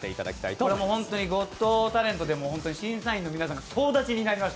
これは「ゴット・タレント」でも審査員の皆さんが総立ちになりました。